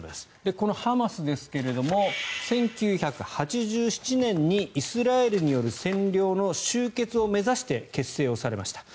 このハマスですが、１９８７年にイスラエルによる占領の終結を目指して結成されました。